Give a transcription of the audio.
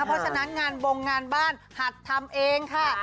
เพราะฉะนั้นงานบงงานบ้านหัดทำเองค่ะ